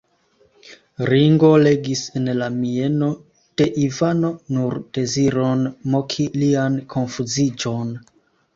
Ringo legis en la mieno de Ivano nur deziron moki lian konfuziĝon.